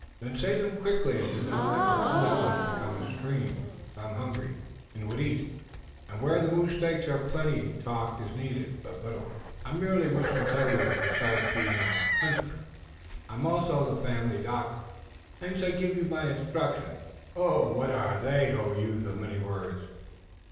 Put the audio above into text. "Then say them quickly and do not let your eloquence become a stream, because I am hungry and would eat, and where the moose steaks are plenty talk is needed but little." "I merely wished to tell you that besides being our hunter, I'm also the family doctor. Hence I give you my instructions." "What are they, O youth of many words?"